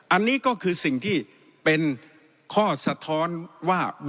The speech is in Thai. อันนี้ก็คือสิ่งที่เป็นข้อสะท้อนว่า